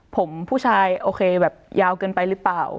ผมผู้ชายโอเคแบบยาวเกินไปหรือเปล่า